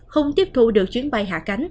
không tiếp thụ được chuyến bay